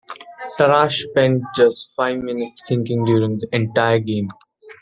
Tarrasch spent just five minutes thinking during the entire game.